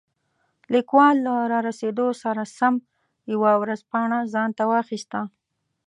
لیکوال له رارسېدو سره سم یوه ورځپاڼه ځانته واخیسته.